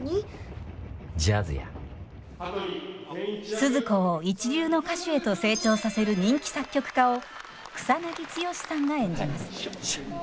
スズ子を一流の歌手へと成長させる人気作曲家を草剛さんが演じます。